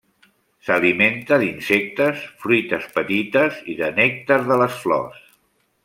S'alimenta d'insectes, fruites petites i de nèctar de les flors.